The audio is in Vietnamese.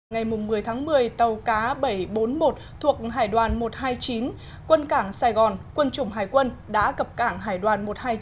ngày một mươi tháng một mươi tàu cá bảy trăm bốn mươi một thuộc hải đoàn một trăm hai mươi chín quân cảng sài gòn quân chủng hải quân đã cập cảng hải đoàn một trăm hai mươi chín